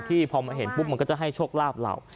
ที่พอเห็นปุ๊บก็จะให้ชกลาบเรา